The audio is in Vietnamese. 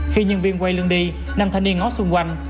khi nhân viên quay lưng đi nam thanh niên ngó xung quanh